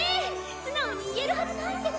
素直に言えるはずないんです。